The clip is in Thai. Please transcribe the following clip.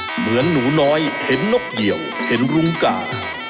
เหมือนหนูน้อยเห็นนกเกี่ยวเห็นรุ้งกา